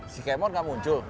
si kemot gak muncul